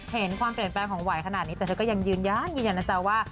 เห็นความเปลี่ยนแปลงของไหวขนาดนี้แต่เธอก็ยังยืนยันยืนยันนะจ๊ะว่า